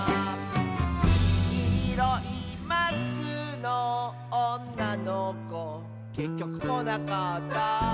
「きいろいマスクのおんなのこ」「けっきょくこなかった」